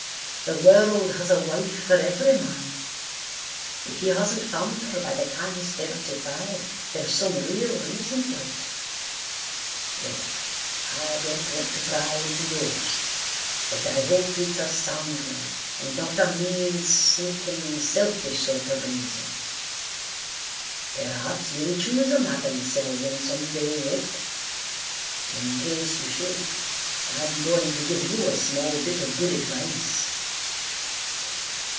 The world has a wife for every man; if he hasn't found her by the time he's thirty five, there's some real reason for it. Well, I don't want to pry into yours, but I hope it's a sound one and not a mean, sneaking, selfish sort of reason. Perhaps you'll choose a Madam Selwyn some day yet. In case you should I'm going to give you a small bit of good advice.